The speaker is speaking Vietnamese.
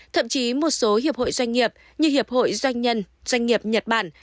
thậm chí một số hiệp hội doanh nghiệp như hiệp hội doanh nhân doanh nghiệp nhật bản